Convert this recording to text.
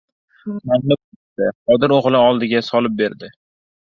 Molni bo‘shatdi. Qodir o‘g‘li oldiga solib berdi.